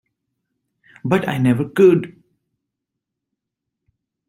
But I never could!